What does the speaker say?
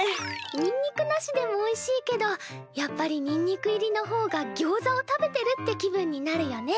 にんにくなしでもおいしいけどやっぱりにんにく入りの方がギョウザを食べてるって気分になるよね。